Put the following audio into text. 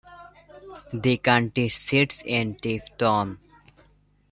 The county seat is Tifton.